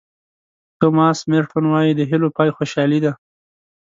توماس مېرټون وایي د هیلو پای خوشالي ده.